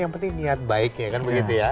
yang penting niat baik ya kan begitu ya